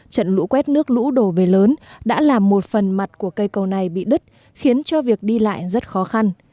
trận lũ quét nước lũ đổ về lớn đã làm một phần mặt của cây cầu này bị đứt khiến cho việc đi lại rất khó khăn